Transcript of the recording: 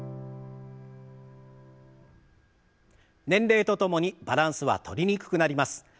年齢とともにバランスはとりにくくなります。